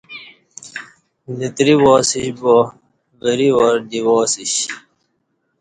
لتری وا سیش با وری وار دی وا سیش